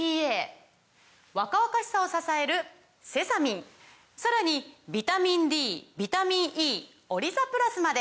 若々しさを支えるセサミンさらにビタミンＤビタミンＥオリザプラスまで！